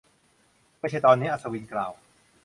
ไม่ใช่ตอนนี้ อัศวินกล่าว